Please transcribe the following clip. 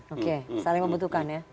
oke saling membutuhkan ya